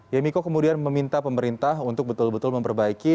yemiko kemudian meminta pemerintah untuk betul betul memperbaiki